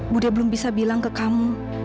budi belum bisa bilang ke kamu